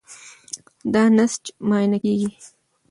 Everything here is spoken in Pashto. دا نسج معاینه کېږي.